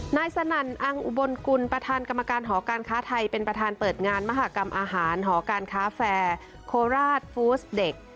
สนั่นอังอุบลกุลประธานกรรมการหอการค้าไทยเป็นประธานเปิดงานมหากรรมอาหารหอการค้าแฟร์โคราชฟูสเด็ก